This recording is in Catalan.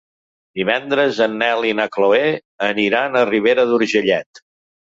Divendres en Nel i na Chloé aniran a Ribera d'Urgellet.